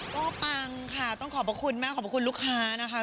ก็ปังค่ะต้องขอบพระคุณมากขอบพระคุณลูกค้านะคะ